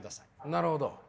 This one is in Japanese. なるほど。